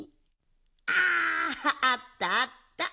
ああったあった。